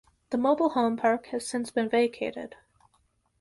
The mobile home park has since been vacated.